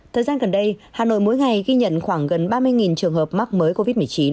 thời gian gần đây hà nội mỗi ngày ghi nhận khoảng gần ba mươi trường hợp mắc mới covid một mươi chín